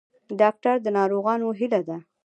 ډاکټر د ناروغانو هیله ده